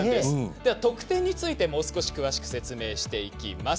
得点についてもう少し詳しく説明していきます。